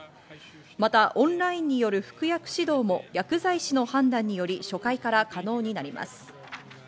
またオンラインによる服薬指導も薬剤師の判断により、初回から可能になります。